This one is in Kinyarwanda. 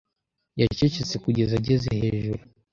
yacecetse kugeza ageze hejuru.